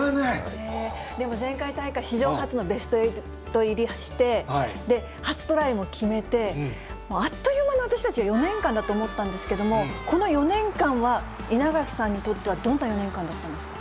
でも前回大会、史上初のベスト８入りして、初トライも決めて、もうあっという間の私たちは４年間だと思ったんですけども、この４年間は、稲垣さんにとっては、どんな４年間だったんですか。